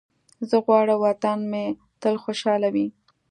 زه غواړم وطن مې تل خوشحاله وي.